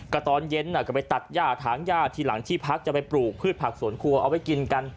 ก็ตอนเย็นก็ไปตัดย่าถางย่าทีหลังที่พักจะไปปลูกพืชผักสวนครัวเอาไว้กินกัน